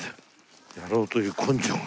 やろうという根性が。